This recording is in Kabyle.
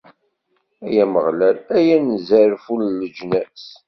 Ay Ameɣlal, ay anezzarfu n leǧnas.